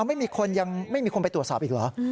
ไม่มีคนยังไม่มีคนไปตรวจสอบอีกเหรอ